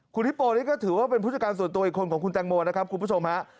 คุณฮิโปนี่ก็ถือว่าเป็นผู้จัดการส่วนตัวอีกคนของคุณแตงโมนะครับคุณผู้ชมฮะ